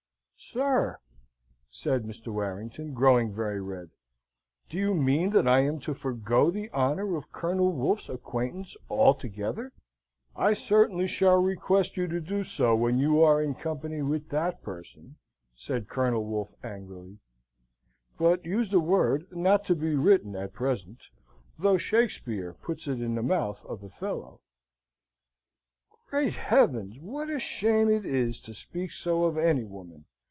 "Sir," said Mr. Warrington, growing very red, "do you mean that I am to forgo the honour of Colonel Wolfe's acquaintance altogether?" "I certainly shall request you to do so when you are in company with that person," said Colonel Wolfe, angrily; but he used a word not to be written at present, though Shakespeare puts it in the mouth of Othello. "Great heavens! what a shame it is to speak so of any woman!"